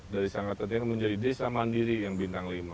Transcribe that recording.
desa sangat tertiga menjadi desa mandiri yang bintang lima